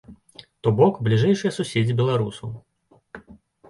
То бок, бліжэйшыя суседзі беларусаў.